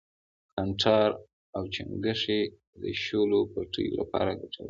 کانټار او چنگښې د شولو پټیو لپاره گټور وي.